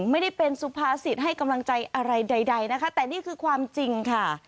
ไม่ได้เป็นสุภาษิตให้กำลังใจอะไรใดนะคะแต่นี่คือความจริงค่ะ